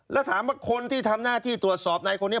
แล้วถามว่าคนที่ทำหน้าที่ตรวจสอบในคนนี้